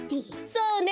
そうね